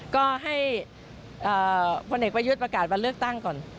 ก็ให้พลเอกประยุทธ์ประกาศวันเลือกตั้งก่อน